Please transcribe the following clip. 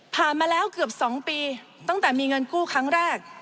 มาแล้วเกือบ๒ปีตั้งแต่มีเงินกู้ครั้งแรก